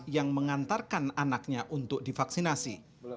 yang mengantarkan anaknya untuk divaksinasi